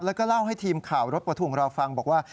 แล้วก็เล่าให้ทีมข่าวรถประทุงเราฟังบอกว่า